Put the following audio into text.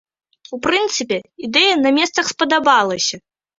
У прынцыпе, ідэя на месцах спадабалася.